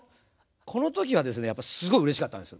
この時はですねやっぱりすごいうれしかったんです。